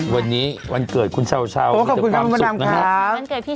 วันนี้วันเกิดคุณเช้ามีแต่ความสุขนะครับ